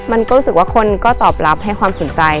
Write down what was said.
มันก็รู้สึกว่าคนก็ตอบรับให้ความสนใจ